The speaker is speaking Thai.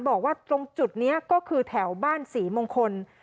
บอกว่าตรงจุดนี้ก็คือแถวบ้านศรีมงคล